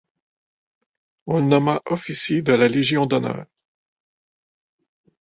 On le nomma officier de la Légion d'honneur.